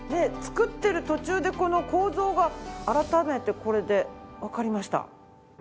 作ってる途中でこの構造が改めてこれでわかりました。